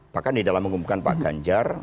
bahkan di dalam mengumumkan pak ganjar